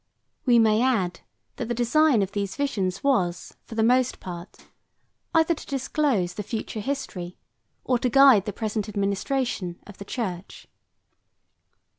75 We may add, that the design of these visions was, for the most part, either to disclose the future history, or to guide the present administration, of the church.